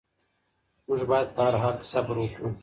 موږ باید په هر حال کې صبر وکړو.